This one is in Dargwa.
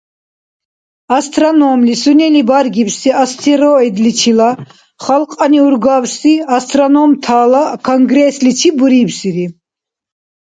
Астрономли сунени баргибси астероидличила халкьани-ургабси астрономтала конгрессличиб бурибсири.